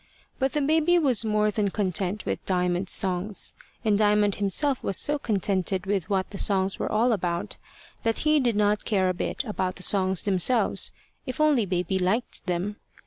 But the baby was more than content with Diamond's songs, and Diamond himself was so contented with what the songs were all about, that he did not care a bit about the songs themselves, if only baby liked them.